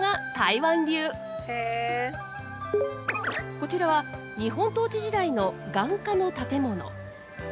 こちらは日本統治時代の眼科の建物。